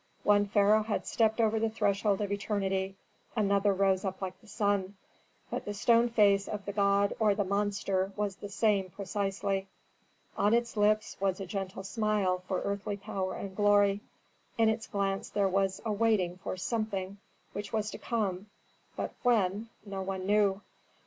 One pharaoh had stepped over the threshold of eternity; another rose up like the sun, but the stone face of the god or the monster was the same precisely. On its lips was a gentle smile for earthly power and glory; in its glance there was a waiting for something which was to come, but when no one knew.